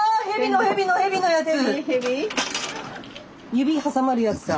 指挟まるやつだ。